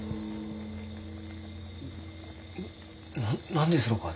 ・な何ですろうか？